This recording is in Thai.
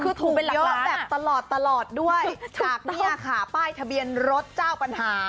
คือถูกเยอะแบบตลอดตลอดด้วยจากเนี่ยค่ะป้ายทะเบียนรถเจ้าปัญหา